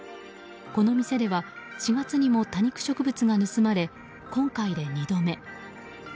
この店では４月にも多肉植物が盗まれ、今回で２度目。